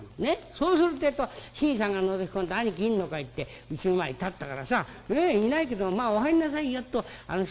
そうするってえと新さんがのぞき込んで『兄貴いんのかい？』ってうちの前に立ったからさ『いないけどもまあお入んなさいよ』とあの人をうちへ入れたんだよ。